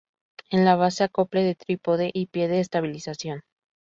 En la base, acople de trípode y pie de estabilización.